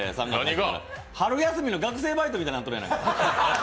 春休みの学生バイトみたいになっとるやないか。